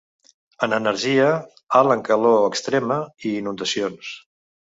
En energia, alt en calor extrema i inundacions.